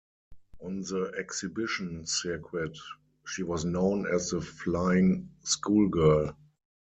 On the exhibition circuit, she was known as the Flying Schoolgirl.